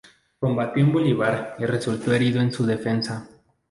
Combatió con Bolívar y resultó herido en su defensa.